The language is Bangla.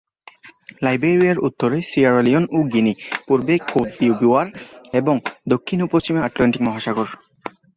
লাইবেরিয়ার উত্তরে সিয়েরা লিওন ও গিনি, পূর্বে কোত দিভোয়ার, এবং দক্ষিণ ও পশ্চিমে আটলান্টিক মহাসাগর।